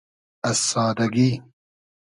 از سادئگی